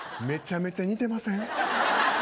めちゃめちゃ似てません？